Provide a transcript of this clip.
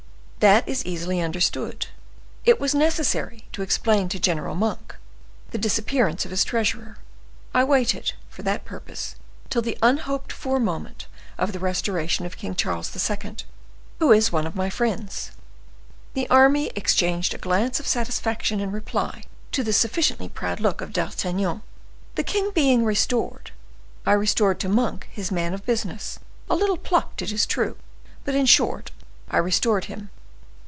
"That is easily understood. It was necessary to explain to General Monk the disappearance of his treasurer. I waited, for that purpose, till the unhoped for moment of the restoration of King Charles II., who is one of my friends." This army exchanged a glance of satisfaction in reply to the sufficiently proud look of D'Artagnan. "The king being restored, I restored to Monk his man of business, a little plucked, it is true, but, in short, I restored him.